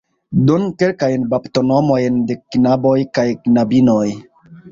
Donu kelkajn baptonomojn de knaboj kaj knabinoj.